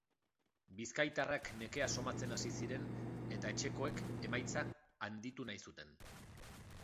Bizkaitarrak nekea somatzen hasi ziren eta etxekoek emaitza handitu nahi zuten.